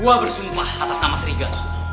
gua bersumpah atas nama seriga